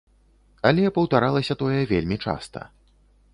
Але паўтаралася тое вельмі часта.